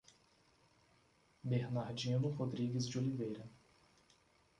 Bernardino Rrodrigues de Oliveira